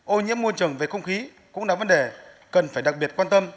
ô nhiễm môi trường về không khí cũng là vấn đề cần phải đặc biệt quan tâm